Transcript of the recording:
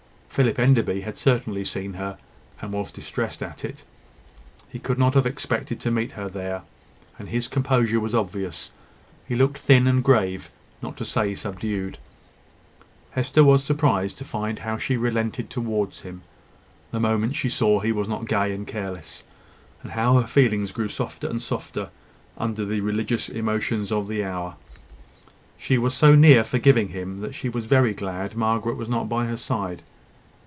Philip Enderby had certainly seen her, and was distressed at it. He could not have expected to meet her here; and his discomposure was obvious. He looked thin, and grave, not to say subdued. Hester was surprised to find how she relented towards him, the moment she saw he was not gay and careless, and how her feelings grew softer and softer under the religious emotions of the hour. She was so near forgiving him, that she was very glad Margaret was not by her side.